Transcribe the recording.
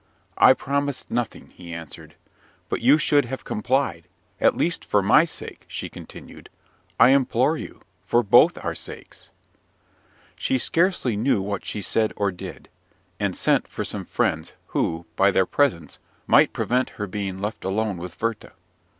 "I promised nothing," he answered. "But you should have complied, at least for my sake," she continued. "I implore you, for both our sakes." She scarcely knew what she said or did; and sent for some friends, who, by their presence, might prevent her being left alone with Werther.